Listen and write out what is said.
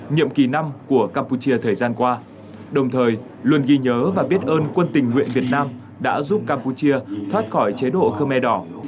nhiệm kỳ năm của campuchia thời gian qua đồng thời luôn ghi nhớ và biết ơn quân tình nguyện việt nam đã giúp campuchia thoát khỏi chế độ khơ me đỏ